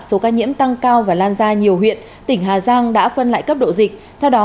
số ca nhiễm tăng cao và lan ra nhiều huyện tỉnh hà giang đã phân lại cấp độ dịch theo đó